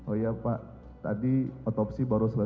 oh iya pak tadi otopsi baru selesai dua puluh menit yang lalu